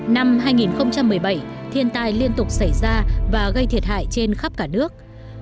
năm hai nghìn một mươi bảy thiên tai liên tục xảy ra và gây thiệt hại trên khắp cả nước